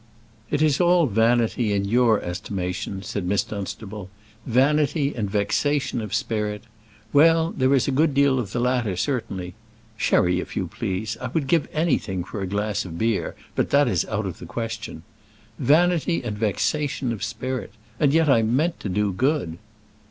"It is all vanity in your estimation," said Miss Dunstable; "vanity and vexation of spirit. Well; there is a good deal of the latter, certainly. Sherry, if you please. I would give anything for a glass of beer, but that is out of the question. Vanity and vexation of spirit! And yet I meant to do good."